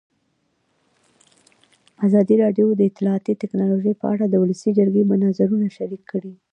ازادي راډیو د اطلاعاتی تکنالوژي په اړه د ولسي جرګې نظرونه شریک کړي.